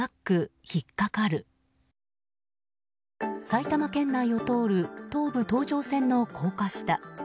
埼玉県内を走る東武東上線の高架下。